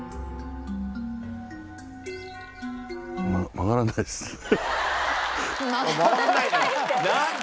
曲がらないって。